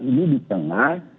ini di tengah